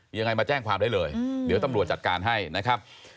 ยังไงมาแจ้งความได้เลยเดี๋ยวตำรวจจัดการให้นะครับ